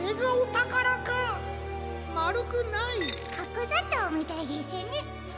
かくざとうみたいですね。